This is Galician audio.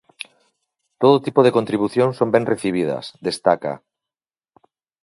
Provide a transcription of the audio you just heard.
Todo tipo de contribucións son ben recibidas, destaca.